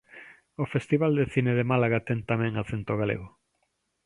O festival de cine de Málaga ten tamén acento galego.